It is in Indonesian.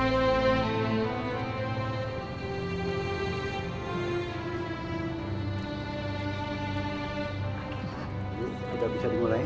jangan paut tri